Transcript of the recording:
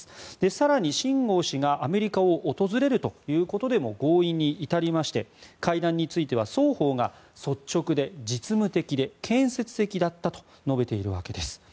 更にシン・ゴウ氏がアメリカを訪れるということでも合意に至りまして会談については双方が率直で実務的で建設的だったと述べているわけです。